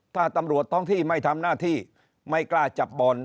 ถ้าตำรวจท้องที่ไม่ทำหน้าที่ไม่กล้าจับบอล